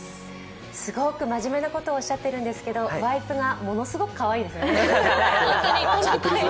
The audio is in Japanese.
すごく真面目なことをおっしゃっているんですけどワイプがものすごくかわいいですね。